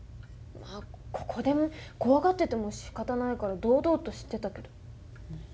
まあここでコワがっててもしかたないから堂々としてたけど。